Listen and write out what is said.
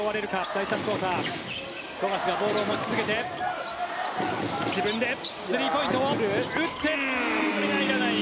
第３クオーター富樫がボールを持ち続けて自分でスリーポイントを打ってこれは入らない。